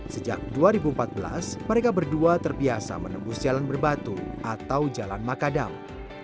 sejak dua ribu empat belas mereka berdua terbiasa menembus jalan berbatu atau jalan makadam